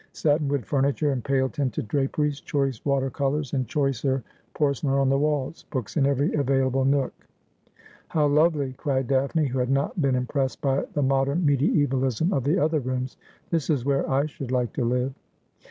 Satinwood furniture and pale tinted draperies ; choice 116 Asphodel. water colours and choicer porcelain on the walls ; books in every available nook. ' How lovely !' cried Daphne, who had not been impressed by the modern meditevalism of the other rooms. ' This is where I should like to live.'